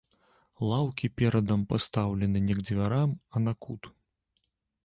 Лаўкі перадам пастаўлены не к дзвярам, а на кут.